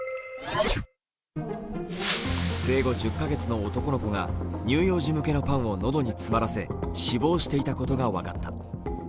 生後１０カ月の男の子が乳幼児向けのパンを喉に詰まらせ死亡していたことが分かった。